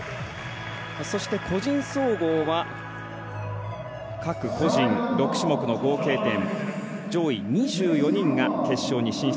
そして、個人総合は各個人６種目の合計点上位２４人が決勝に進出。